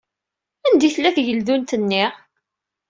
Anda ay tella tgeldunt-nni?